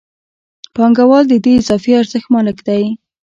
پانګوال د دې اضافي ارزښت مالک دی